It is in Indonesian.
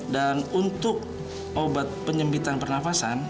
dan untuk obat penyempitan pernafasan